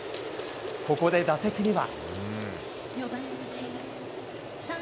ここで打席には。